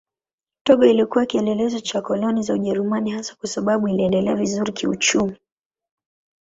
Togo ilikuwa kielelezo cha koloni za Ujerumani hasa kwa sababu iliendelea vizuri kiuchumi.